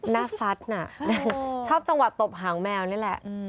ฟัดน่ะชอบจังหวะตบหางแมวนี่แหละ